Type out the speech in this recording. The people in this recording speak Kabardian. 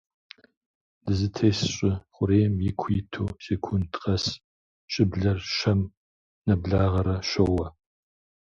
Дызытес Щӏы Хъурейм, ику иту, секунд къэс щыблэр щэм нэблагъэрэ щоуэ.